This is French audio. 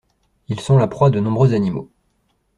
Ils sont la proie de nombreux animaux.